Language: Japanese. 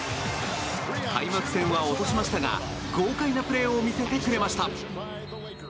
開幕戦は落としましたが豪快なプレーを見せてくれました。